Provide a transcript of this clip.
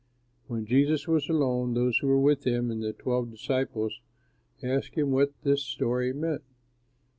When Jesus was alone, those who were with him and the twelve disciples asked him what this story meant.